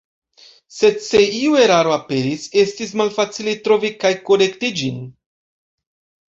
Sed se iu eraro aperis, estis malfacile trovi kaj korekti ĝin.